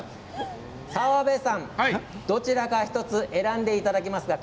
澤部さん、どちらか選んでいただけますか？